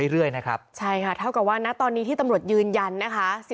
เรื่อยนะครับใช่ค่ะเท่ากับว่าณตอนนี้ที่ตำรวจยืนยันนะคะ